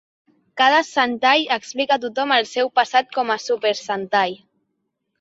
Cada sentai explica a tothom el seu passat com a Super Sentai.